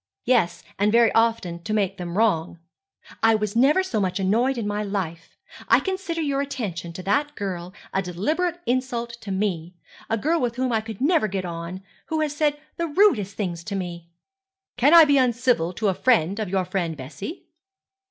'Yes, and very often to make them wrong. I was never so much annoyed in my life. I consider your attention to that girl a deliberate insult to me; a girl with whom I never could get on who has said the rudest things to me.' 'Can I be uncivil to a friend of your friend Bessie?'